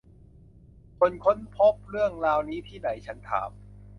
คุณค้นพบเรื่องราวนี้ที่ไหน ? ฉันถาม